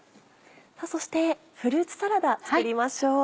そしてフルーツサラダ作りましょう。